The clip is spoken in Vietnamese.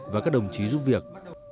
và các đồng chí giúp việc